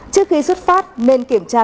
trước khi xuất phát nên kiểm tra